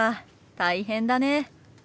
大変だね。